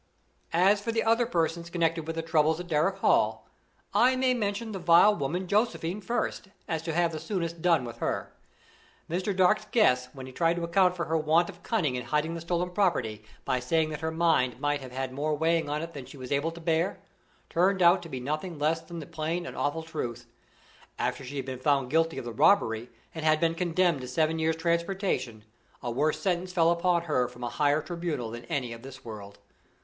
As for the other persons connected with the troubles at Darrock Hall, I may mention the vile woman Josephine first, so as to have the sooner done with her. Mr. Dark's guess, when he tried to account for her want of cunning in hiding the stolen property, by saying that her mind might have had more weighing on it than she was able to bear, turned out to be nothing less than the plain and awful truth. After she had been found guilty of the robbery, and had been condemned to seven years' transportation, a worse sentence fell upon her from a higher tribunal than any in this world.